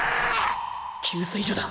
給水所だ！！